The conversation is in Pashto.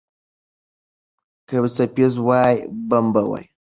که یو څپیز وای، بم به وای.